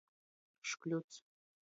Škļuts.